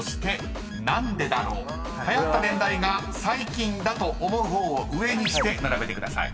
［はやった年代が最近だと思う方を上にして並べてください］